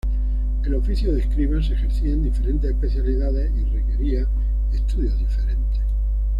El oficio de escriba se ejercía en diferentes especialidades y requería estudios diferentes.